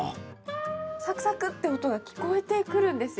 さくさくって音が聞こえてくるんですよ。